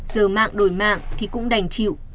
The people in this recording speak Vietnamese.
giờ mạng đổi mạng thì cũng đành chịu